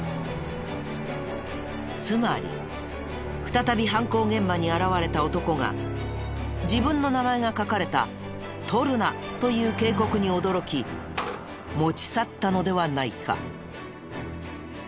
つまり再び犯行現場に現れた男が自分の名前が書かれた「盗るな！」という警告に驚き持ち去ったのではないか？